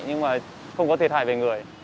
nhưng mà không có thiệt hại về người